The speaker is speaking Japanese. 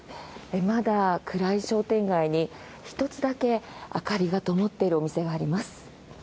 まだ暗い商店街に１つだけ明かりがともっているお店があります。